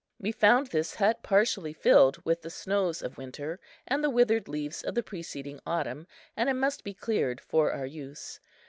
We found this hut partially filled with the snows of winter and the withered leaves of the preceding autumn, and it must be cleared for our use.